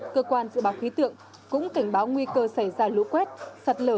cơ quan dự báo khí tượng cũng cảnh báo nguy cơ xảy ra lũ quét sạt lở